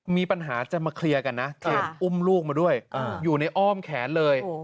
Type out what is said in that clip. มีปัญหาจะมาเคลียร์กันนะเจมส์อุ้มลูกมาด้วยอยู่ในอ้อมแขนเลย